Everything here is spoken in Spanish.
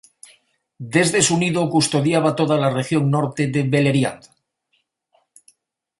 Desde su nido custodiaba toda la región norte de Beleriand.